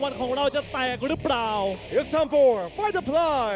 ล่วงเลยครับ